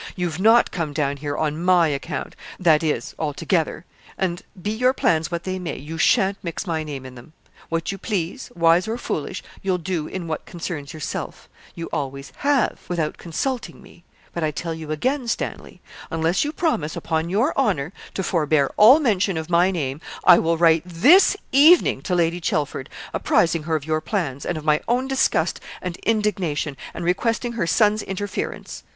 You've not come down here on my account that is, altogether; and be your plans what they may, you sha'n't mix my name in them. What you please wise or foolish you'll do in what concerns yourself; you always have without consulting me; but I tell you again, Stanley, unless you promise, upon your honour, to forbear all mention of my name, I will write this evening to Lady Chelford, apprising her of your plans, and of my own disgust and indignation; and requesting her son's interference.